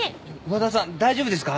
和田さん大丈夫ですか？